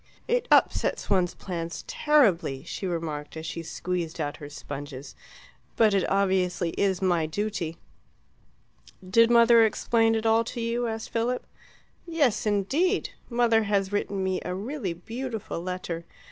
"It upsets one's plans terribly," she remarked, as she squeezed out her sponges, "but obviously it is my duty." "Did mother explain it all to you?" asked Philip. "Yes, indeed! Mother has written me a really beautiful letter.